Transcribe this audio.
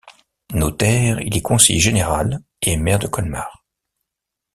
Notaire, il est conseiller général et maire de Colmars.